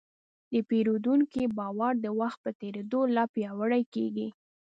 د پیرودونکي باور د وخت په تېرېدو لا پیاوړی کېږي.